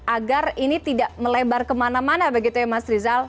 agar ini tidak melebar kemana mana begitu ya mas rizal